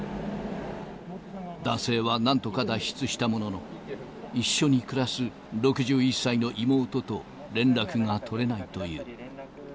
男性はなんとか脱出したものの、一緒に暮らす６１歳の妹と連絡が取れないという。